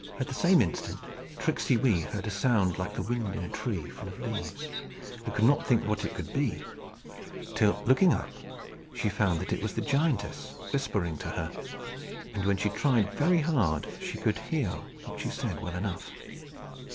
At the same instant Tricksey Wee heard a sound like the wind in a tree full of leaves, and could not think what it could be; till, looking up, she found that it was the giantess whispering to her; and when she tried very hard she could hear what she said well enough.